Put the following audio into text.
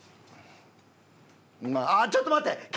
あーっちょっと待って！